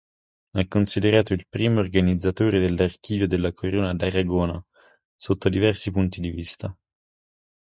È considerato il primo organizzatore dell'Archivio della Corona d'Aragona, sotto diversi punti di vista.